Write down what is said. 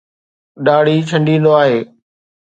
ڏاڙهي ڇنڊيندو آهي.